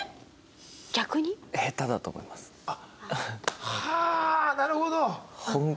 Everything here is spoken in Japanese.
逆に？はあなるほど。